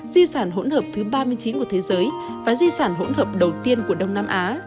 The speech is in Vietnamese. di sản hỗn hợp thứ ba mươi chín của thế giới và di sản hỗn hợp đầu tiên của đông nam á